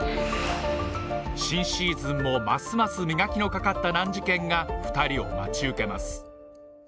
新シーズンもますます磨きのかかった難事件が２人を待ち受けます